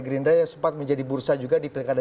gerindra yang sempat menjadi bursa juga di pilkada